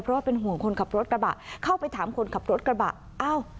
เพราะว่าเป็นห่วงคนขับรถกระบะเข้าไปถามคนขับรถกระบะอ้าว